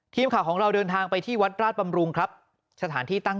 ทีมข่าวของเราเดินทางไปที่วัดราชบำรุงครับสถานที่ตั้ง